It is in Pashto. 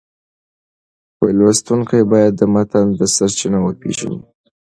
لوستونکی باید د متن سرچینه وپېژني.